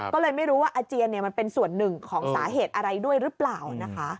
ก็เลยไม่รู้ว่าอาเจียนมันเป็นส่วนหนึ่งของสาเหตุอะไรด้วยหรือเปล่านะคะ